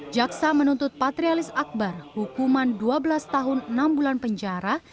jaksa menuntut patrialis akbar hukuman dua belas tahun enam bulan penjara